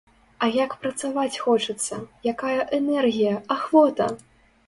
А як працаваць хочацца, якая энергія, ахвота!